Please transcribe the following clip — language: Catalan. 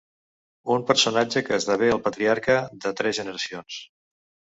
Un personatge que esdevé el patriarca de tres generacions.